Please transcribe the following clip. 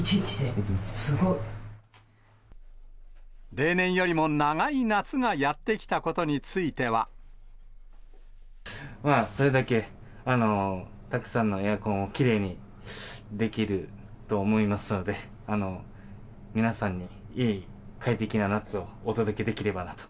すごい。例年よりも長い夏がやって来まあ、それだけたくさんのエアコンをきれいにできると思いますので、皆さんにいい、快適な夏をお届けできればなと。